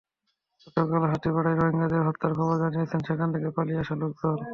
গতকালও হাতিপাড়ায় রোহিঙ্গাদের হত্যার খবর জানিয়েছেন সেখান থেকে পালিয়ে আসা লোকজন।